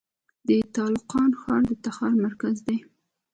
د تالقان ښار د تخار مرکز دی